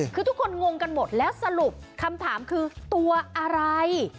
คือทุกคนงงกันหมดแล้วสรุปคำถามคือตัวอะไร